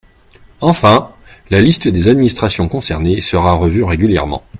Enfin, la liste des administrations concernées sera revue régulièrement.